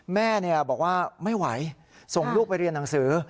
แม่บอกว่าไม่ไหวส่งลูกไปเรียนหนังสือ